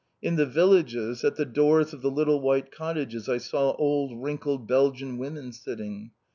In the villages, at the doors of the little white cottages I saw old wrinkled Belgian women sitting.